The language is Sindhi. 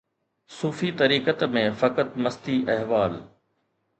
صوفي طریقت ۾ فقط مستي احوال